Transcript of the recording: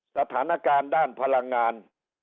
สถานการณ์ด้านพลังงาน